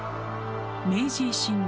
明治維新後